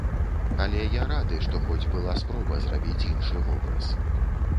Але я рады, што хоць была спроба зрабіць іншы вобраз.